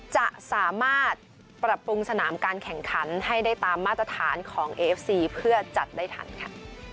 จะสามารถปรับปรุงสนามการแข่งขันให้ได้ตามมาตรฐานของเอฟซีเพื่อจัดได้ทันค่ะ